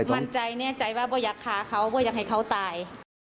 มั่นใจแน่ใจว่าอยากฆ่าเขาว่าอยากให้เขาตาย